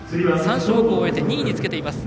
３種目終えて２位につけています。